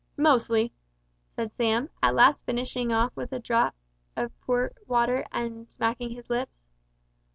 "Mostly," said Sam, at last finishing off with a draught of pure water, and smacking his lips.